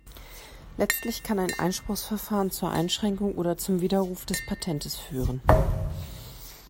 Letztlich kann ein Einspruchsverfahren zur Einschränkung oder zum Widerruf des Patentes führen.